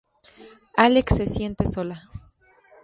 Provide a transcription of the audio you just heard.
Alex se siente sola.